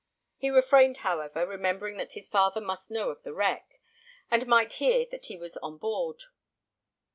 He refrained, however, remembering that his father must know of the wreck, and might hear that he was on board.